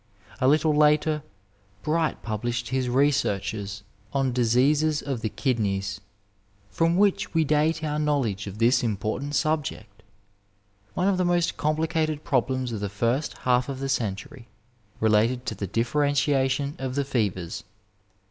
A little later Bright published his researches on diseases of the kidneys, from which we date our knowledge of this important subject. One of the most complicated problems of the first half of the century related to the differentiation 282 Digitized by Google MEDICINE IN THE NINETEENTH CENTURY of the fevers.